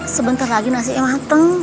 sebentar lagi nasinya mateng